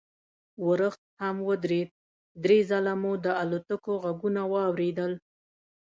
ورښت هم ودرېد، درې ځله مو د الوتکو غږونه واورېدل.